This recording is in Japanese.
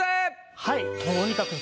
はい。